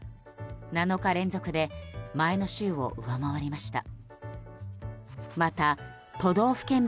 ７日連続で前の週を上回りました。